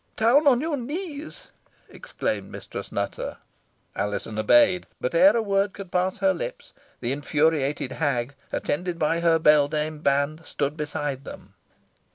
"Down on your knees!" exclaimed Mistress Nutter. Alizon obeyed, but ere a word could pass her lips, the infuriated hag, attended by her beldame band, stood beside them.